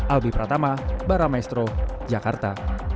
albi pratama baramaestro jakarta